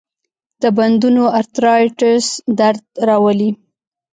د بندونو ارترایټس درد راولي.